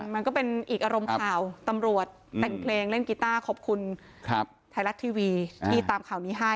มันก็เป็นอีกอารมณ์ข่าวตำรวจแต่งเพลงเล่นกีต้าขอบคุณไทยรัฐทีวีที่ตามข่าวนี้ให้